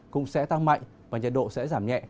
cũng sẽ tăng mạnh và nhiệt độ sẽ giảm nhẹ